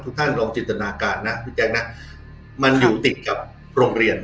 ทุกท่านลองจิตนาการนะอีกอย่างนะมันอยู่ติดกับโรงเรียน